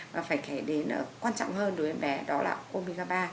và phải kể đến quan trọng hơn đối với em bé đó là omega ba